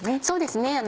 そうですね。